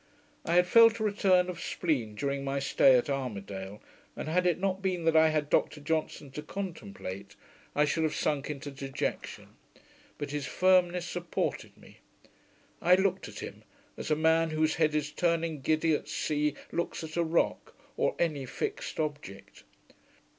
I had felt a return of spleen during my stay at Armidale, and had it not been that I had Dr Johnson to contemplate, I should have sunk into dejection; but his firmness supported me. I looked at him, as a man whose head is turning giddy at sea looks at a rock, or any fixed object.